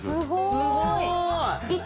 すごーい！